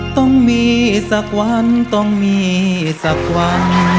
ต้องมีสักวันต้องมีสักวัน